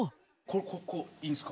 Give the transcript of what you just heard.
ここいいんすか？